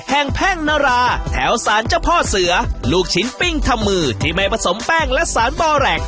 แพ่งนาราแถวสารเจ้าพ่อเสือลูกชิ้นปิ้งทำมือที่ไม่ผสมแป้งและสารบอแรค